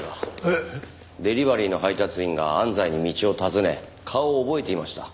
デリバリーの配達員が安西に道を尋ね顔を覚えていました。